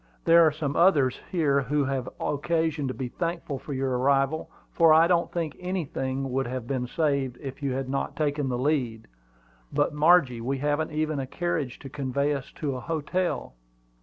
"There are some others here who will have occasion to be thankful for your arrival; for I don't think anything would have been saved if you had not taken the lead. But, Margie, we haven't even a carriage to convey us to a hotel."